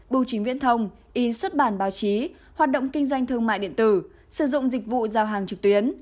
bưu chính viễn thông in xuất bản báo chí hoạt động kinh doanh thương mại điện tử sử dụng dịch vụ giao hàng trực tuyến